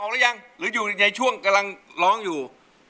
หรือยังหรืออยู่ในช่วงกำลังร้องอยู่